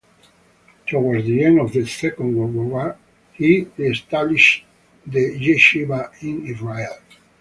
Towards the end of the second world war, he re-established the yeshiva in Israel.